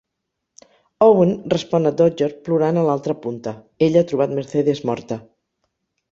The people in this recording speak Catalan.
Owen respon a Dodger plorant a l'altra punta; ella ha trobat Mercedes morta.